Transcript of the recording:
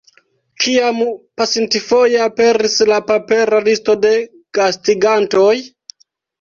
Kiam pasintfoje aperis la papera listo de gastigantoj?